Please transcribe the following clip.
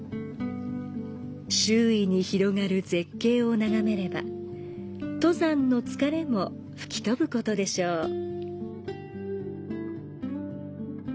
周囲に広がる絶景を眺めれば、登山の疲れも吹き飛ぶことでしょう。